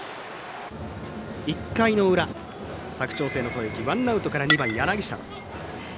１回の裏、佐久長聖の攻撃ワンアウトから２番、柳澤。